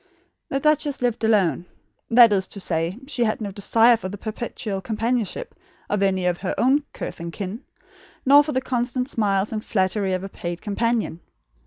The duchess lived alone; that is to say, she had no desire for the perpetual companionship of any of her own kith and kin, nor for the constant smiles and flattery of a paid companion.